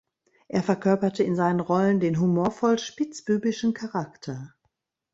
Er verkörperte in seinen Rollen den humorvoll-spitzbübischen Charakter.